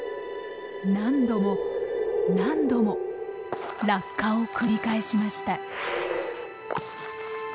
何度も何度も落下を繰り返しました。